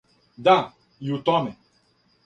Да, и у томе.